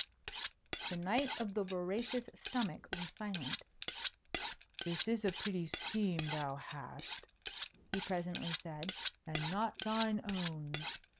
The Knight of the Voracious Stomach was silent. "This is a pretty scheme thou hast," he presently said. "And not thine own.